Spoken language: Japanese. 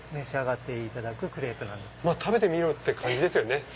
まぁ食べてみろって感じですよね。